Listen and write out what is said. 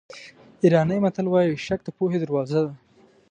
ایراني متل وایي شک د پوهې دروازه ده.